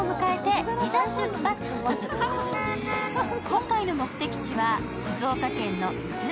今回の目的地は、静岡県の伊豆。